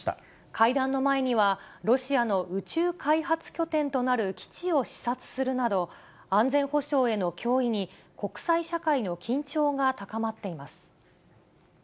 会談の前には、ロシアの宇宙開発拠点となる基地を視察するなど、安全保障への脅威に、国際社会の緊張が高まっています。